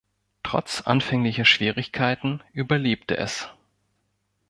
Trotz anfänglicher Schwierigkeiten überlebte es.